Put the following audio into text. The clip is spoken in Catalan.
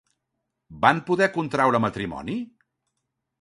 Van poder contraure matrimoni?